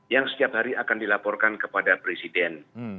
yang setiap hari akan dilaporkan kepada presiden